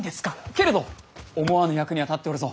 けれど思わぬ役には立っておるぞ。